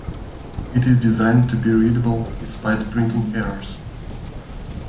It is designed to be readable despite printing errors.